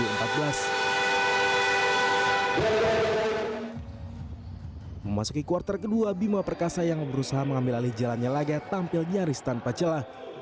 memasuki kuartal kedua bima perkasa yang berusaha mengambil alih jalannya laga tampil nyaris tanpa celah